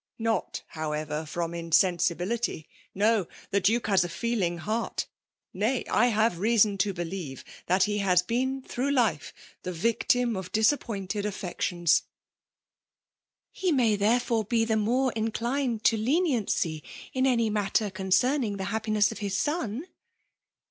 Mot« how* erer, from insensibility. No !— ^The Duke has a feeling heart ; nay, I have reason to bdieve that he has been through life the vietim of disappointed affisctions/' '' He may therefore be the mate inclined to leniency in any matter conoorning the hapfu* aess of his son